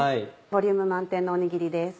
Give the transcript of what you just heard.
ボリューム満点のおにぎりです。